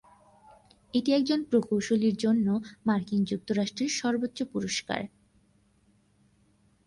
এটি একজন প্রকৌশলীর জন্য মার্কিন যুক্তরাষ্ট্রের সর্বোচ্চ পুরস্কার।